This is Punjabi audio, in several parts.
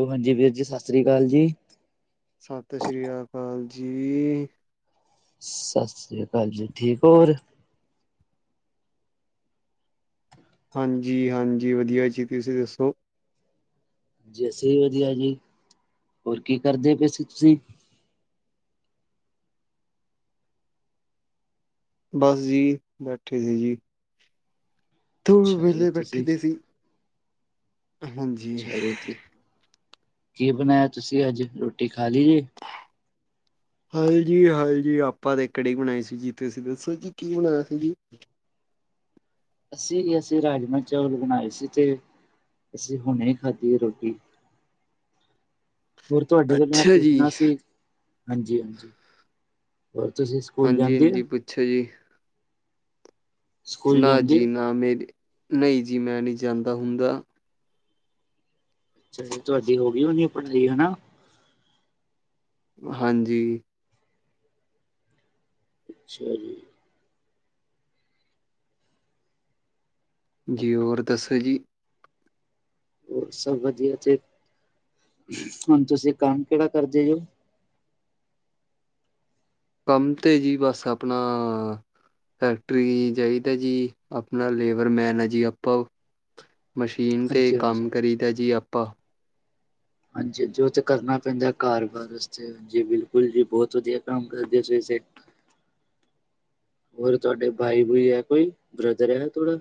ਉਹ ਹਾਂਜੀ ਵੀਰ ਜੀ ਸ਼ਾਸਰੀ ਕਾਲ ਜੀ। ਸਤਿ ਸਰੀਆ ਅਕਾਲ ਜੀ। ਸ਼ਾਸਰੀਆ ਕਾਲ ਜੀ, ਠੀਕ ਔਰ ਹਾਂਜੀ-ਹਾਂਜੀ, ਵਧੀਆ ਜੀ, ਤੁਸੀਂ ਦੱਸੋ। ਜੀ, ਅਸੀਂ ਵੀ ਵਧੀਆ ਜੀ, ਹੋਰ ਕੀ ਕਰਦੇ ਪਏ ਸੀ ਤੁਸੀਂ। ਬੱਸ ਜੀ, ਬੈਠੇ ਸੀ ਜੀ। ਤੂੰ ਅੱਛਾ ਜੀ ਵੇਲੇ ਬੈਠੇ ਤੁਸੀਂ ਦੇ ਸੀ ਹਾਂਜੀ। ਅੱਛਾ ਜੀ, ਤੇ ਕੀ ਬਣਾਇਆ ਤੁਸੀਂ ਅੱਜ ਰੋਟੀ ਖਾ ਲਈ ਜੀ। ' [inaudible] ਹਾਏ-ਹਾਏ ਜੀ ਆਪਾਂ ਤੇ ਕੜੀ ਬਣਾਈ ਸੀ, ਜੀ ਤੁਸੀਂ ਦੱਸੋ ਜੀ ਕੀ ਬਣਾਇਆ ਸੀ ਜੀ? ਅਸੀਂ -ਅਸੀਂ ਰਾਜਮਾਂਹ ਚੌਲ ਬਣਾਏ ਸੀ ਤੇ ਅਸੀਂ ਹੁਣੇ ਖਾਧੀ ਆ ਰੋਟੀ। ' [inaudible] ਹੋਰ ਤੁਹਾਡੀ ਗੱਲਾਂ ਪੁੱਛਣਾ ਸੀ ਹਾਂਜੀ-ਹਾਂਜੀ ਹੋਰ ਤੁਸੀਂ ਸਕੂਲ ਜਾਂਦੇ ਹੋ ਹਾਂਜੀ-ਹਾਂਜੀ, ਪੁੱਛੋ ਜੀ। ਸਕੂਲ ਨਾ ਜਾਂਦੇ ਜੀ ਹੋ ਨਾ, ਮੇਰੀ ਨਹੀਂ ਜੀ ਮੈਂ ਨੀ ਜਾਂਦਾ ਹੁੰਦਾ। ਅੱਛਾ ਜੀ, ਤੁਹਾਡੀ ਹੋ ਗਈ ਹੋਨੀ ਆਂ ਭਟਲੀ ਹਨਾ। ਹਾਂਜੀ। ਅੱਛਾ ਜੀ। ਜੀ ਹੋਰ ਦੱਸੋ ਜੀ। ਹੋਰ ਸਭ ਵਧੀਆ ਤੇ ਹੁਣ ਤੁਸੀਂ ਕੰਮ ਕਿਹੜਾ ਕਰਦੇ ਜੋ। ਕੰਮ ਤੇ ਜੀ ਬਸ ਆਪਣਾ ਫੈਕਟਰੀ ਜਾਈਦਾ ਜੀ, ਆਪਣਾ ਲੇਬਰਮੈਨ ਆ ਜੀ ਆਪਾਂ ਮਸ਼ੀਨ ਤੇ ਹਾਂਜੀ ਹਾਂਜੀ ਕੰਮ ਕਰੀ ਦਾ ਜੀ ਆਪਾਂ ਹਾਂਜੀ, ਜੋ ਤੇ ਕਰਨਾ ਪੈਂਦਾ ਘਰ ਵਾਰਸ 'ਚ' ਜੀ, ਬਿਲਕੁਲ ਜੀ ਬਹੁਤ ਵਧੀਆ ਕੰਮ ਕਰਦੇ ਸਵੇਰੇ - ਸਵੇਰੇ ਤਾਂ [inaudible] ਹੋਰ ਤੁਹਾਡੇ ਬਾਈ- ਬੂਈ ਐ ਕੋਈ ਬ੍ਰਦਰ ਹੈਗਾ ਥੋੜਾ?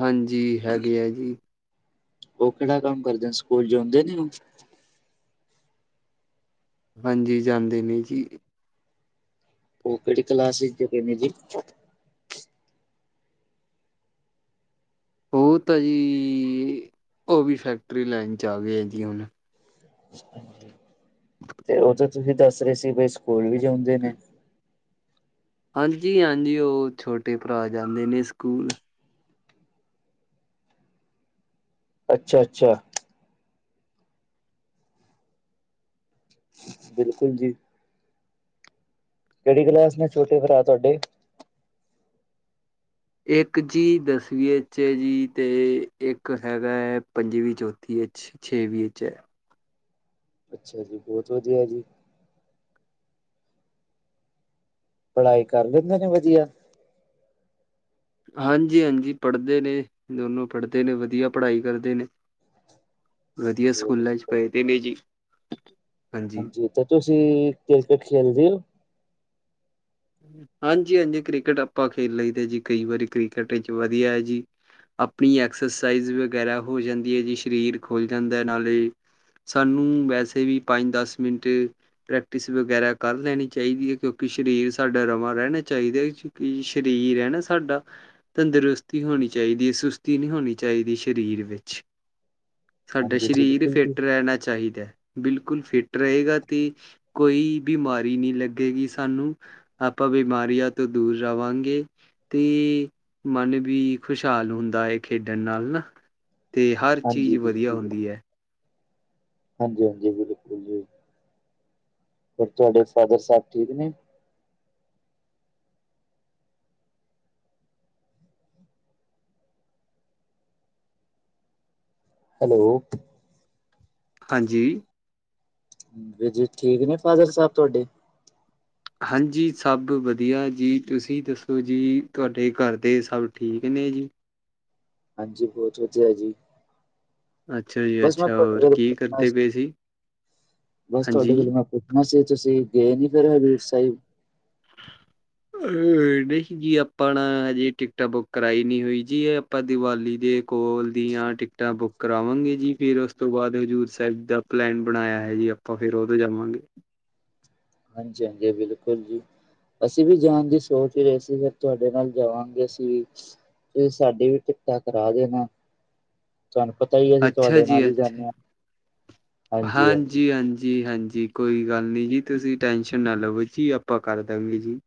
ਹਾਂਜੀ, ਹੈਗੇ ਐ ਜੀ। ਉਹ ਕਿਹੜਾ ਕੰਮ ਕਰਦੇ, ਸਕੂਲ ਜਾਂਦੇ ਨੀ ਹੁਣ? ਹਾਂਜੀ, ਜਾਂਦੇ ਨੇ ਜੀ। ਉਹ ਕਿਹੜੀ ਕਲਾਸ 'ਚ' ਚੁੱਕੇ ਨੇ ਜੀ? ਉਹ ਤਾਂ ਜੀ, ਉਹ ਵੀ ਫੈਕਟਰੀ ਲਾਈਨ 'ਚ' ਆ ਗਏ ਆ ਜੀ ਹੁਣ। ਤੇ ਉਹ ਤੇ ਤੁਸੀਂ ਦੱਸ ਰਹੇ ਸੀ ਵੀ ਸਕੂਲ ਵੀ ਜਿਉਂਦੇ ਨੇ। ਹਾਂਜੀ-ਹਾਂਜੀ, ਉਹ ਛੋਟੇ ਭਰਾ ਜਾਂਦੇ ਨੇ ਸਕੂਲ। ਅੱਛਾ-ਅੱਛਾ! ਬਿਲਕੁਲ ਜੀ। ਕਿਹੜੀ ਕਲਾਸ ਨੇ ਛੋਟੇ ਭਰਾ ਤੁਹਾਡੇ? ਇੱਕ ਜੀ ਦਸਵੀਂ ਵਿੱਚ ਐ ਜੀ, ਤੇ ਇੱਕ ਹੈਗਾ ਪੰਜਵੀਂ, ਚੌਥੀ ਵਿੱਚ। ਛੇਵੀਂ 'ਚ' ਵਿਚ ਐ। ਅੱਛਾ ਜੀ, ਬਹੁਤ ਵਧੀਆ ਜੀ। ਪੜ੍ਹਾਈ ਕਰ ਲੈਂਦੇ ਨੇ ਵਧੀਆ? ਹਾਂਜੀ-ਹਾਂਜੀ, ਪੜ੍ਹਦੇ ਨੇ ਦੋਨੋ ਪੜ੍ਹਦੇ ਨੇ ਵਧੀਆ ਪੜ੍ਹਾਈ ਕਰਦੇ ਨੇ। ਵਧੀਆ ਬਹੁਤ ਸਕੂਲਾਂ 'ਚ' ਵਧੀਆ ਪਏ ਤੇ ਨੇ ਜੀ। ਹਾਂਜੀ, ਤੇ ਤੁਸੀਂ ਕ੍ਰਿਕਟ ਖੇਲਦੇ ਓ? ਹਾਂਜੀ-ਹਾਂਜੀ, ਕ੍ਰਿਕਟ ਆਪਾਂ ਖੇਲ ਲਈ ਦਾ ਜੀ ਕਈ ਵਾਰੀ ਕ੍ਰਿਕਟ ਵਿੱਚ ਵਧੀਆ ਐ ਜੀ। ਆਪਣੀ ਐਕਸਰਸਾਈਜ਼ ਵਗੈਰਾ ਹੋ ਜਾਂਦੀ ਐ ਜੀ ਸਰੀਰ ਖੁੱਲ੍ਹ ਜਾਂਦਾ ਨਾਲੇ ਸਾਨੂੰ ਵੈਸੇ ਵੀ ਪੰਜ-ਦਸ ਮਿੰਟ ਪ੍ਰੈਕਟਿਸ ਵਗੈਰਾ ਕਰ ਲੈਣੀ ਚਾਹੀਦੀ ਐ ਕਿਉਂਕਿ ਸਰੀਰ ਸਾਡਾ ਰਵਾਂ ਰਹਿਣਾ ਚਾਹੀਦਾ ਸਰੀਰ ਐ ਨਾ ਸਾਡਾ ਤੰਦਰੁਸਤੀ ਹੋਣੀ ਚਾਹੀਦੀ ਐ ਸੁਸਤੀ ਨਹੀਂ ਹੋਣੀ ਚਾਹੀਦੀ ਸਰੀਰ ਵਿੱਚ ਸਾਡਾ ਹਾਂਜੀ ਸਰੀਰ ਬਿਲਕੁਲ ਜੀ ਫਿੱਟ ਰਹਿਣਾ ਚਾਹੀਦਾ। ਬਿਲਕੁਲ ਫਿੱਟ ਰਹੇਗਾ ਤੇ ਕੋਈ ਬਿਮਾਰੀ ਨਹੀਂ ਲੱਗੇਗੀ ਸਾਨੂੰ। ਆਪਾਂ ਬਿਮਾਰੀਆਂ ਤੋਂ ਦੂਰ ਰਵਾਂਗੇ। ਤੇ ਮਨ ਵੀ ਖੁਸ਼ਹਾਲ ਹੁੰਦਾ ਐ ਨਾ ਖੇਡਣ ਨਾਲ ਨਾ। ਤੇ ਹਰ ਚੀਜ਼ ਹਾਂਜੀ ਵਧੀਆ ਹੁੰਦੀ ਐ। ਹਾਂਜੀ-ਹਾਂਜੀ, ਬਿਲਕੁਲ ਜੀ ਫਿਰ ਤੁਹਾਡੇ ਫਾਦਰ ਸਾਹਿਬ ਠੀਕ ਨੇ? ਹੈਲੋ। ਹਾਂਜੀ। ਵੀਰ ਜੀ, ਠੀਕ ਨੇ ਫਾਦਰ ਸਾਹਿਬ ਤੁਹਾਡੇ? ਹਾਂਜੀ, ਸਭ ਵਧੀਆ ਜੀ, ਤੁਸੀਂ ਦੱਸੋ ਜੀ, ਤੁਹਾਡੇ ਘਰ ਦੇ ਸਭ ਠੀਕ ਨੇ ਜੀ? ਹਾਂਜੀ, ਬਹੁਤ ਵਧੀਆ ਜੀ। ਅੱਛਾ ਜੀ ਬਸ ਮੈਂ ਅੱਛਾ ਹੋਰ ਆਪੇ ਕੀ [unintelligible] ਕਰਦੇ ਪਏ ਸੀ ਬਸ ਤੁਹਾਡੇ ਹਾਂਜੀ ਮਾਸੀ ਤੁਸੀਂ ਗਏ ਨੀ ਫਿਰ ਹਜ਼ੂਰ ਸਾਹਿਬ? [inaudible] [unintelligible] ਨਹੀਂ ਜੀ ਆਪਣਾ ਹਜੇ ਟਿਕਟਾਂ ਬੁੱਕ ਕਰਾਈ ਨਹੀਂ ਹੋਈ ਜੀ ਇਹ ਆਪਾਂ ਦੀਵਾਲੀ ਦੇ ਕੋਲ ਦੀਆਂ ਟਿਕਟਾਂ ਬੁੱਕ ਕਰਾਵਾਂਗੇ ਜੀ ਫਿਰ ਉਸ ਤੋਂ ਬਾਅਦ ਹਜ਼ੂਰ ਸਾਹਿਬ ਦਾ ਪਲੈਨ ਬਣਾਇਆ ਐ ਜੀ ਆਪਾਂ ਆਪਾਂ ਫੇਰ ਉਹਤੇ ਜਾਵਾਂਗੇ। ਹਾਂਜੀ-ਹਾਂਜੀ ਬਿਲਕੁਲ ਜੀ। ਅਸੀਂ ਵੀ ਜਾਣ ਦੀ ਸੋਚ ਹੀ ਰਹੇ ਸੀ, ਫਿਰ ਤੁਹਾਡੇ ਨਾਲ ਜਾਵਾਂਗੇ ਅਸੀਂ ਵੀ ਤੁਸੀਂ ਸਾਡੀ ਵੀ ਟਿਕਟਾਂ ਕਰਾ ਦੇਣਾ। ਤੁਹਾਨੂੰ ਪਤਾ ਹੀ ਆ, ਅਸੀਂ ਅੱਛਾ ਤੁਹਾਡੇ ਨਾਲ ਈ ਜਾਂਦੇ ਆ। ਹਾਂਜੀ-ਹਾਂਜੀ-ਹਾਂਜੀ। ਕੋਈ ਗੱਲ ਨੀ ਜੀ ਤੁਸੀਂ ਟੈਨਸ਼ਨ ਨਾ ਲਵੋ ਜੀ ਆਪਾਂ ਕਰ ਦਵਾਂਗੇ ਜੀ।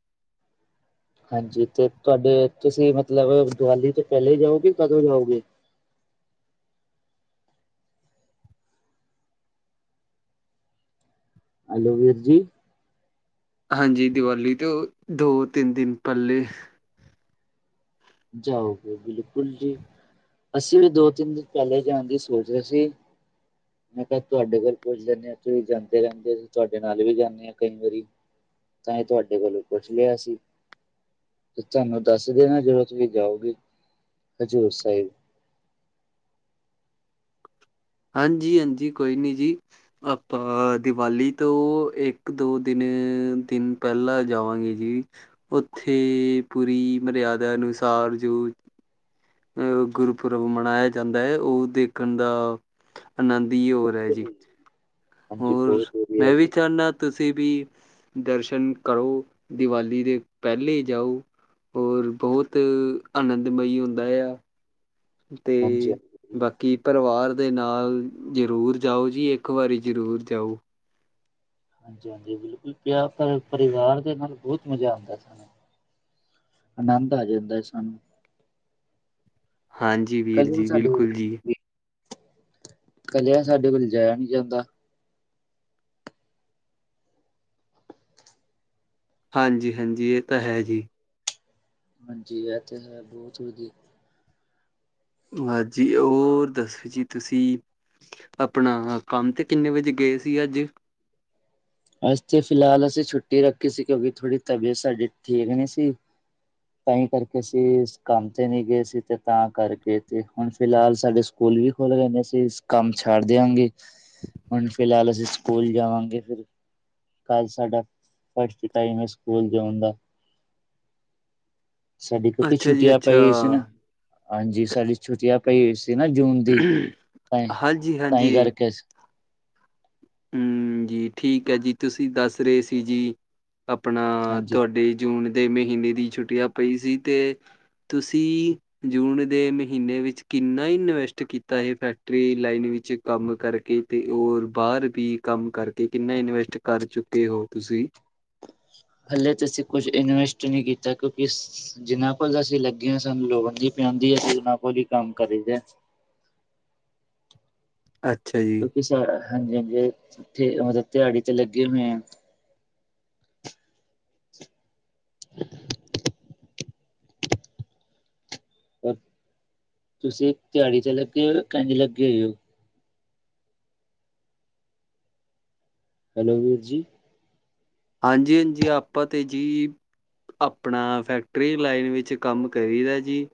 ਹਾਂਜੀ ਤੇ ਤੁਆਡੇ ਤੁਸੀਂ ਮਤਲਬ ਦੀਵਾਲੀ ਤੋਂ ਪਹਿਲਾਂ ਈ ਜਾਓਗੇ, ਕਦੋਂ ਜਾਓਗੇ? ਹੈਲੋ, ਵੀਰ ਜੀ। ਹਾਂਜੀ, ਦੀਵਾਲੀ ਤੋਂ ਦੋ- ਤਿੰਨ ਦਿਨ ਪਹਿਲੇ ਜਾਓਗੇ, ਬਿਲਕੁਲ ਜੀ। ਅਸੀਂ ਵੀ ਦੋ- ਤਿੰਨ ਦਿਨ ਪਹਿਲੇ ਜਾਣ ਦੀ ਸੋਚਦੇ ਸੀ। ਮੈਂ ਕਿਹਾ ਤੁਹਾਡੇ ਘਰ ਪੁੱਛ ਜਾਂਦੇ ਹਾਂ, ਤੁਸੀਂ ਜਾਂਦੇ ਰਹਿੰਦੇ ਅਸੀਂ ਤੁਹਾਡੇ ਨਾਲ ਵੀ ਜਾਂਦੇ ਹ ਕਈ ਵਾਰੀ ਤਾਂ ਇਹ ਤੁਹਾਡੇ ਕੋਲੋਂ ਪੁੱਛ ਲਿਆ ਅਸੀ ਤੇ ਤੁਹਾਨੂੰ ਦੱਸ ਦੇਵਾ ਨਾ ਜਦੋਂ ਤੁਸੀਂ ਜਾਓਗੇ ਹਜ਼ੂਰ ਸਾਹਿਬ ਹਾਂਜੀ-ਹਾਂਜੀ ਕੋਈ ਨੀ ਜੀ। ਆਪਾਂ ਦੀਵਾਲੀ ਤੋਂ ਇੱਕ -ਦੋ ਦਿਨ-ਦਿਨ ਪਹਿਲਾਂ ਜਾਵਾਂਗੇ ਜੀ। ਉੱਥੇ ਪੂਰੀ ਮਰਿਆਦਾ ਅਨੁਸਾਰ ਜੋ ਅ ਗੁਰਪੁਰਬ ਮਨਾਇਆ ਜਾਂਦਾ ਐ, ਉਹ ਦੇਖਣ ਦਾ ਆਨੰਦ ਈ ਹੋਰ ਐ ਜੀ। ਹਾਂਜੀ ਹੋਰ, ਬਹੁਤ ਵਧੀਆ ਮੈਂ ਵੀ ਜੀ ਚਾਹੁੰਦਾ ਤੁਸੀਂ ਵੀ ਦਰਸ਼ਨ ਕਰੋ, ਦੀਵਾਲੀ ਦੇ ਪਹਿਲੇ ਜਾਓ ਹੋਰ ਬਹੁਤ ਆਨੰਦਮਈ ਹੁੰਦਾ ਆ, ਹਾਂਜੀ ਤੇ ਹਾਂਜੀ। ਬਾਕੀ ਪਰਿਵਾਰ ਦੇ ਨਾਲ ਜ਼ਰੂਰ ਜਾਓ ਜੀ, ਇੱਕ ਵਾਰੀ ਜ਼ਰੂਰ ਜਾਓ। ਹਾਂਜੀ- ਹਾਂਜੀ ਬਿਲਕੁਲ ਪਿਆਰ ਸਾਰੇ ਪਰਿਵਾਰ ਦੇ ਨਾਲ ਬਹੁਤ ਮਜ਼ਾ ਆਉਂਦਾ ਸਾਨੂੰ, ਆਨੰਦ ਆ ਜਾਂਦਾ ਹੈ ਸਾਨੂੰ। ਹਾਂਜੀ ਵੀਰ ਕਲੀਆਂ ਜੀ, ਸਾਡੇ ਕੋਲ ਬਿਲਕੁਲ ਜੀ। ਇਕੱਲਿਆ ਸਾਡੇ ਕੋਲ ਜਾਇਆ ਨੀ ਜਾਂਦਾ। ਹਾਂਜੀ- ਹਾਂਜੀ, ਇਹ ਤਾਂ ਹੈ ਜੀ। ਹਾਂਜੀ, ਇਹ ਤੇ ਹੈ ਬਹੁਤ ਵਧੀਆ। ਬਸ ਜੀ, ਔਰ ਦੱਸੋ ਜੀ ਤੁਸੀ ਆਪਣਾ ਕੰਮ ਤੇ ਕਿੰਨੇ ਵਜੇ ਗਏ ਸੀ ਅੱਜ? ਅੱਜ ਤੇ ਫਿਲਹਾਲ ਅਸੀ ਛੁੱਟੀ ਰੱਖੀ ਸੀ ਕਿਉਂਕਿ ਥੋੜੀ ਤਬੀਅਤ ਸਾਡੀ ਠੀਕ ਨੀ ਸੀ। ਤਾਂ ਹੀ ਕਰਕੇ ਅਸੀ ਕੰਮ ਤੇ ਨੀ ਗਏ ਸੀ ਤੇ ਤਾਂ ਕਰਕੇ ਤੇ ਹੁਣ ਫਿਲਹਾਲ ਸਾਡੇ ਸਕੂਲ ਵੀ ਖੋਲ ਗਏ ਸੀ, ਅਸੀਂ ਕੰਮ ਛੱਡ ਦਿਆਂਗੇ। ਹੁਣ ਫਿਲਹਾਲ ਅਸੀਂ ਸਕੂਲ ਜਾਵਾਂਗੇ ਫਿਰ ਕੱਲ ਸਾਡਾ ਫਸਟ ਟਾਈਮ ਹੈ, ਸਕੂਲ ਜਾਉਣ ਦਾ। ਸਾਡੀ ਕਿਉਂਕਿ ਅੱਛਾ ਜੀ ਛੁੱਟੀਆਂ ਪਈ ਅੱਛਾ। ਹੋਈ ਸੀ ਨਾ, ਹਾਂਜੀ ਸਾਡੀ ਛੁੱਟੀਆਂ ਪਈ ਹੋਈ ਸੀ। ਸੀ ਨਾ ਜੂਨ ਦੀ ਤਾਂ ਤਾਂਹੀ ਹਾਂਜੀ-ਹਾਂਜੀ ਕਰਕੇ ਸੀ। ਹਮ ਜੀ ਠੀਕ ਹੈ ਜੀ, ਤੁਸੀਂ ਦੱਸ ਰਹੇ ਸੀ ਜੀ ਆਪਣਾ ਹਾਂਜੀ ਤੁਹਾਡੇ। ਜੂਨ ਦੇ ਮਹੀਨੇ ਦੀ ਛੁੱਟੀਆਂ ਪਈ ਸੀ ਤੇ ਤੁਸੀਂ ਜੂਨ ਦੇ ਮਹੀਨੇ ਵਿੱਚ ਕਿੰਨਾ ਹੀ ਇਨਵੈਸਟ ਕੀਤਾ ਇਹ ਫੈਕਟਰੀ ਲਾਈਨ ਵਿੱਚ। ਕੰਮ ਕਰਕੇ ਤੇ ਹੋਰ ਬਾਹਰ ਵੀ ਕੰਮ ਕਰਕੇ ਕਿੰਨਾ ਇਨਵੈਸਟ ਕਰ ਚੁੱਕੇ ਹੋ ਤੁਸੀਂ? ਹਲੇ ਤੇ ਅਸੀਂ ਕੁਝ ਇਨਵੈਸਟ ਨਹੀਂ ਕੀਤਾ ਕਿਉਂਕਿ ਜਿੰਨਾ ਕੋਲ ਅਸੀਂ ਲੱਗੇ ਹਾਂ ਸਾਨੂੰ ਲੋੜ ਨੀ ਪੈਂਦੀ, ਅਸੀ ਉਹਨਾ ਕੋਲ ਹੀ ਕੰਮ ਕਰੀਦਾ। ਅ ਕਿਉਕਿ, ਸਰ ਹਾਂਜੀ- ਹਾਂਜੀ ਇੱਥੇ ਇਓ ਦਿਹਾੜੀ ਤੇ ਲੱਗੇ ਹੋਏ ਆ। [inaudible] ਔਰ, ਤੁਸੀਂ ਦਿਹਾੜੀ ਤੇ ਲੱਗੇ ਹੋਏ ਹੋ ਕਿ ਐਵੇਂ ਲੱਗੇ ਹੋਏ ਹੋ? ਹੈਲੋ ਵੀਰ ਜੀ। ਹਾਂਜੀ-ਹਾਂਜੀ, ਆਪਾਂ ਤੇ ਜੀ ਆਪਣਾ ਫੈਕਟਰੀ ਲਾਈਵ ਵਿੱਚ ਕੰਮ ਕਰੀ ਦਾ ਜੀ,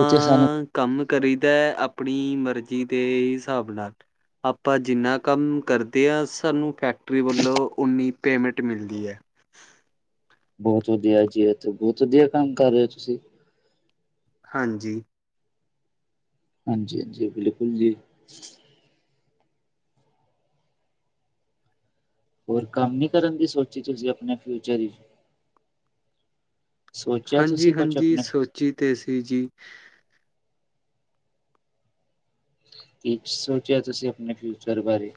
ਉੱਥੇ ਸਾਨੂੰ ਕੰਮ ਕਰੀਦਾ ਆਪਣੀ ਮਰਜ਼ੀ ਦੇ ਹਿਸਾਬ ਨਾਲ ਆਪਾਂ ਜਿੰਨਾ ਕੰਮ ਕਰਦੇ ਆ ਸਾਨੂੰ ਫੈਕਟਰੀ ਵੱਲੋਂ ਉਨੀ ਪੇਮੈਂਟ ਮਿਲਦੀ ਐ। ਬਹੁਤ ਵਧੀਆ ਜੀ, ਇੱਥੇ ਬਹੁਤ ਵਧੀਆ ਕੰਮ ਕਰ ਰਹੇ ਹੋ ਤੁਸੀਂ। ਹਾਂਜੀ। ਹਾਂਜੀ-ਹਾਂਜੀ, ਬਿਲਕੁਲ ਜੀ। ਹੋਰ ਕੰਮ ਨੀ ਕਰਨ ਦੀ ਸੋਚੀ ਤੁਸੀਂ ਆਪਣੇ ਫਿਊਚਰ 'ਚ' ਸੋਚਿਆ ਤੁਸੀਂ ਕੁਛ ਹਾਂਜੀ-ਹਾਂਜੀ ਆਪਣੇ ਸੋਚੀ ਤੇ ਸੀ ਜੀ। ਕੀ ਸੋਚਿਆ ਤੁਸੀਂ ਆਪਣੇ ਫਿਊਚਰ ਬਾਰੇ?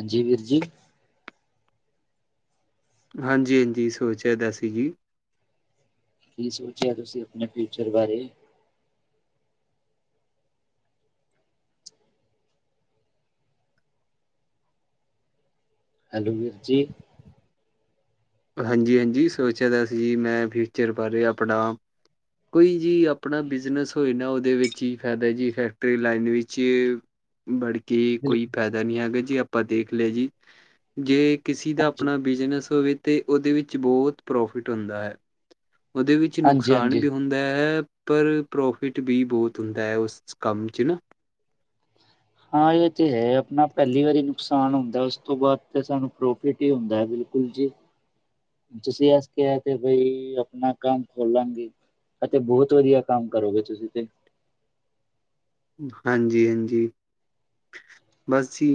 ਹਾਂਜੀ, ਵੀਰ ਜੀ। ਹਾਂਜੀ-ਹਾਂਜੀ ਸੋਚਿਆ ਤਾਂ ਸੀ ਜੀ। ਕੀ ਸੋਚਿਆ ਤੁਸੀਂ ਆਪਣੇ ਫਿਊਚਰ ਬਾਰੇ? ਹੈਲੋ, ਵੀਰ ਜੀ। ਹਾਂਜੀ-ਹਾਂਜੀ ਸੋਚਿਆ ਤਾਂ ਸੀ ਮੈਂ ਫਿਊਚਰ ਬਾਰੇ ਆਪਣਾ ਕੋਈ ਜੀ ਆਪਣਾ ਬਿਜਨਸ ਹੋਏ ਨਾ ਉਹਦੇ ਵਿੱਚ ਹੀ ਫਾਇਦਾ ਜੀ ਫੈਕਟਰੀ ਲਾਈਨ ਵਿੱਚ ਬੜਕੇ ਕੋਈ ਬਿਲਕੁਲ ਫਾਇਦਾ ਨੀ ਹੈਗਾ ਜੀ ਆਪਾਂ ਦੇਖ ਲਏ ਜੀ ਜੇ ਕਿਸਸੀ ਦਾ ਆਪਣਾ ਬਿਜ਼ਨਸ ਹੋਵੇ ਤੇ ਉਹਦੇ ਵਿੱਚ ਬਹੁਤ ਪ੍ਰੋਫਿਟ ਹੁੰਦਾ ਏ। ਉਹਦੇ ਵਿੱਚ ਹਾਂਜੀ ਨੁਕਸਾਨ ਹਾਂਜੀ ਵੀ ਹ ਹੁੰਦਾ, ਪਰ ਪ੍ਰੋਫਿਟ ਵੀ ਬਹੁਤ ਹੁੰਦਾ ਹੈ ਉਸ ਕੰਮ 'ਚ ਨਾ। ਹਾਂ ਇਹ ਤੇ ਹੈ ਆਪਣਾ ਪਹਿਲੀ ਵਾਰੀ ਨੁਕਸਾਨ ਹੁੰਦਾ ਉਸ ਤੋਂ ਬਾਅਦ ਤਾਂ ਸਾਨੂੰ ਪ੍ਰੋਫਿਟ ਹੀ ਹੁੰਦਾ ਹੈ ਬਿਲਕੁਲ ਜੀ। [inaudible] ਤੁਸੀਂ ਐਸ ਕਿਹਾ ਤੇ ਬਈ ਆਪਣਾ ਕੰਮ ਖੋਲਾਂ ਗਏ। ਅਤੇ ਬਹੁਤ ਵਧੀਆ ਕੰਮ ਕਰੋਗੇ ਤੁਸੀਂ ਤੇ ਹਾਂਜੀ-ਹਾਂਜੀ ਬਸ ਜੀ।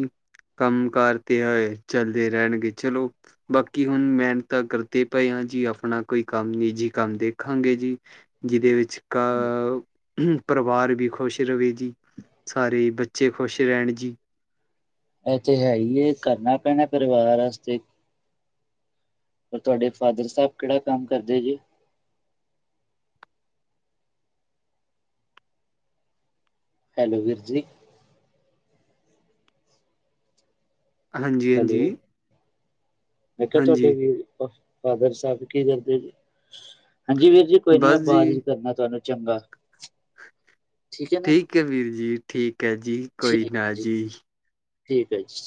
ਕੰਮ-ਕਾਰ ਤੇ ਐ ਚਲਦੇ ਰਹਿਣਗੇ ਚਲੋ। ਬਾਕੀ ਹੁਣ ਮਿਹਨਤ ਕਰਦੇ ਪਏ ਹਾਂ ਜੀ ਆਪਣਾ ਕੋਈ ਕੰਮ ਨਿੱਜੀ ਕੰਮ ਦੇਖਾਂਗੇ ਜੀ। ਜਿਹਦੇ ਵਿੱਚ ਵਿਚ ਕਾਅ ਪਰਿਵਾਰ ਵੀ ਖੁਸ਼ ਰਵੇ ਜੀ ਸਾਰੇ ਬੱਚੇ ਖੁਸ਼ ਰਹਿਣ ਜੀ। ਇਹ ਤੇ ਹੈ ਹੀ ਐ ਕਰਨਾ ਪੈਣਾ ਪਰਿਵਾਰ ਵਾਸਤੇ ਪਰ ਤੁਹਾਡੇ ਫਾਦਰ ਸਾਹਿਬ ਕਿਹੜਾ ਕੰਮ ਕਰਦੇ ਜੇ? ਹੈਲੋ, ਵੀਰ ਜੀ। ਹੈਲੋ ਹਾਂਜੀ-ਹਾਂਜੀ। ਮੈਂ ਕਿਹਾ ਤੁਹਾਡੇ ਵੀ ਫਾਦਰ ਸਾਹਿਬ ਕੀ ਕਰਦੇ ਨੇ? ਹਾਂਜੀ ਵੀਰ ਜੀ ਕੋਈ ਨੀ ਮੈਂ ਬਸ ਬਾਅਦ 'ਚ' ਜੀ ਕਰਨਾ ਤੁਹਾਨੂੰ ਚੰਗਾ ਹੈ ਨਾ ਠੀਕ ਐ ਵੀਰ ਜੀ, ਠੀਕ ਐ ਜੀ, ਠੀਕ ਕੋਈ ਹੈ ਨਾ ਜੀ। ਠੀਕ ਐ ਜੀ।